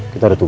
kita ada tugas